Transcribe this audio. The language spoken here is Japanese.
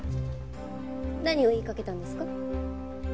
何を言いかけたんですか？